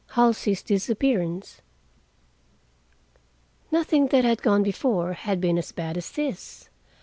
HALSEY'S DISAPPEARANCE Nothing that had gone before had been as bad as this.